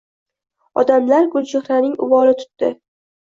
Odamlar Gulchehraning uvoli tutdi